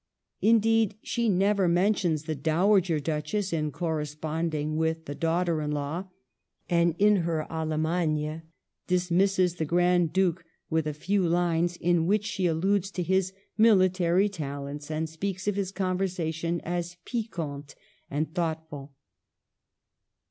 Indeed, she never mentions the Dowager Duchess in corresponding with the daughter in law, and in her Allemagne dismisses the Grand Duke with a few lines, in which she alludes to his military talents and speaks of his conversation as piquante and thoughtful.